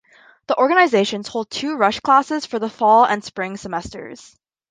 The organizations hold two rush classes for the fall and spring semesters.